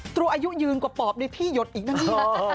ตัวอายุยืนกว่าปอบในพี่หยดอีกนะนี่นะ